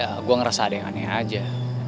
ya gue ngerasa ada yang aneh aja